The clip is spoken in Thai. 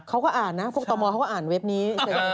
เขาก็อ่านนะพวกตมเขาก็อ่านเว็บนี้